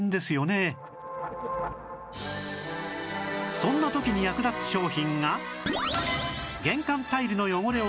そんな時に役立つ商品が